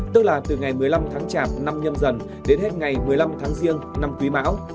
tức là từ ngày một mươi năm tháng chạp năm nhâm dần đến hết ngày một mươi năm tháng riêng năm quý mão